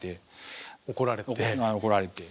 怒られて。